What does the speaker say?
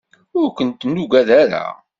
Ur kent-nuggad ara.